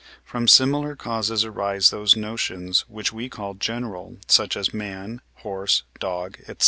From similar causes arise those notions, which we call general, such as man, horse, dog, &c.